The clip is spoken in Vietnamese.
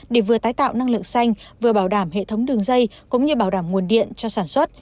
để vừa tái tạo năng lượng xanh vừa bảo đảm hệ thống đường dây cũng như bảo đảm nguồn điện cho sản xuất